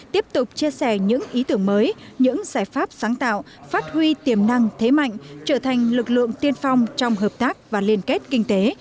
tiếp tục chia sẻ những ý tưởng mới những giải pháp sáng tạo phát huy tiềm năng thế mạnh trở thành lực lượng tiên phong trong hợp tác và liên kết kinh tế